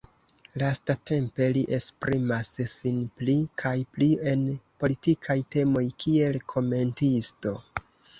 Lastatempe li esprimas sin pli kaj pli en politikaj temoj kiel komentisto.